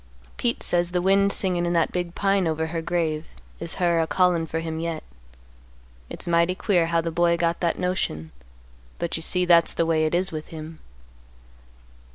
Pete says the wind singin' in that big pine over her grave is her a callin' for him yet. It's mighty queer how the boy got that notion, but you see that's the way it is with him.